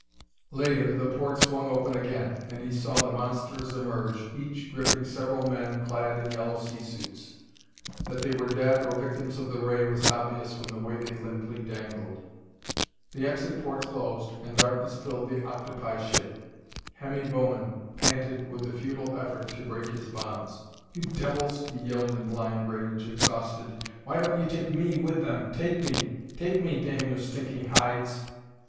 Later the port swung open again, and he saw the monsters emerge, each gripping several men clad in yellow sea suits! That they were dead, or victims of the ray, was obvious from the way they limply dangled. The exit port closed, and darkness filled the octopi ship. Hemmy Bowman panted with the futile effort to break his bonds. "You devils!" he yelled in blind rage, exhausted. "Why don't you take me with them? Take me! Take me, damn your stinking hides!"